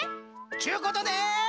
ちゅうことで。